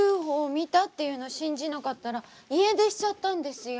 見たっていうの信じなかったら家出しちゃったんですよ。